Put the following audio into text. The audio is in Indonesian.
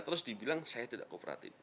terus dibilang saya tidak kooperatif